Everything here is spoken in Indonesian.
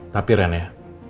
tapi ren ya